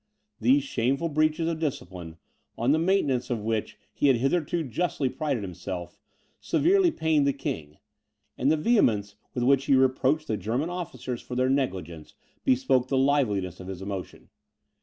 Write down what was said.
These shameful breaches of discipline, on the maintenance of which he had hitherto justly prided himself, severely pained the king; and the vehemence with which he reproached the German officers for their negligence, bespoke the liveliness of his emotion.